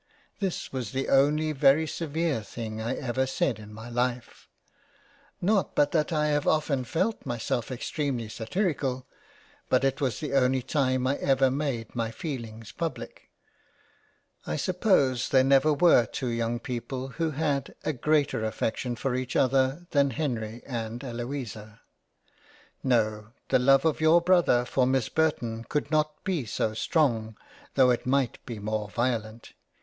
This was the only very severe thing I ever said in my Life ; not but that I have often felt myself extremely satirical but it was the only time I ever made my feelings public. I suppose there never were two young people who had a greater affection for each other than Henry and Eloisa ; no, the Love of your Brother for Miss Burton could not be so strong tho' it might be more violent.